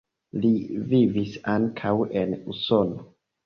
Li vivis ankaŭ en Usono.